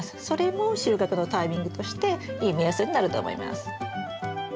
それも収穫のタイミングとしていい目安になると思います。